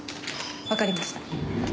分かりました。